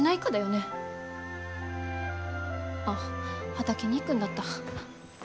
あっ畑に行くんだった。